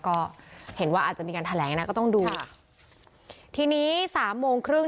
ก็เห็นว่าอาจจะมีการแถลงนะก็ต้องดูค่ะทีนี้สามโมงครึ่ง